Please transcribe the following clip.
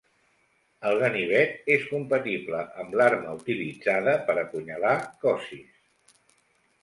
El ganivet és compatible amb l'arma utilitzada per apunyalar Kocis.